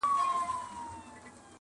• مګر رود بله چاره نه سي میندلای -